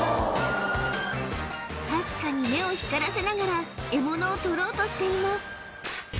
確かに目を光らせながら獲物を取ろうとしています